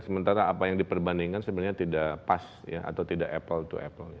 sementara apa yang diperbandingkan sebenarnya tidak pas atau tidak apple to apple